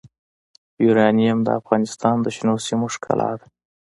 یورانیم د افغانستان د شنو سیمو ښکلا ده.